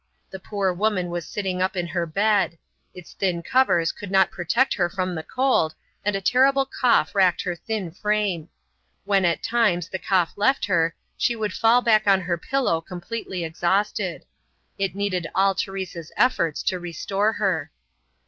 The poor woman was sitting up in her bed. Its thin covers could not protect her from the cold, and a terrible cough racked her thin frame. When, at times, the cough left her she would fall back on her pillow completely exhausted. It needed all Teresa's efforts to restore her.